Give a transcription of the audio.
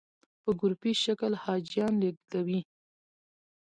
په ګروپي شکل حاجیان لېږدوي.